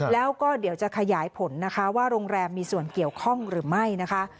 แล้วก็เดี๋ยวจะขยายผลนะคะว่าโรงแรมมีส่วนเกี่ยวข้องหรือไม่นะคะ